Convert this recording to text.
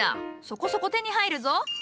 そこそこ手に入るぞ。